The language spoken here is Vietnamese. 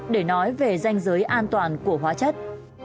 để nói về danh giới an toàn của hóa chất